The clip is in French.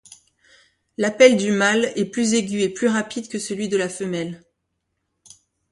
L'appel du mâle est plus aigu et plus rapide que celui de la femelle.